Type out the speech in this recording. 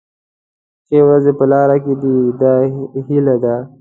ښې ورځې په لاره کې دي دا هیله ده.